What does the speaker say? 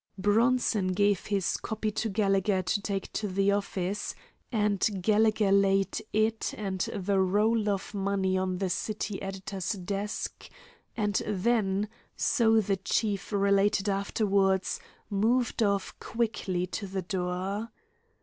Bronson gave his copy to Gallegher to take to the office, and Gallegher laid it and the roll of money on the city editor's desk, and then, so the chief related afterwards, moved off quickly to the door.